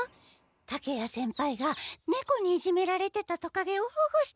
竹谷先輩がネコにいじめられてたトカゲをほごしてきたんだ。